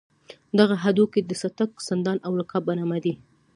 دغه هډوکي د څټک، سندان او رکاب په نامه دي.